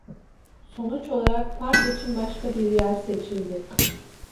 Sonuç olarak, park için başka bir yer seçildi.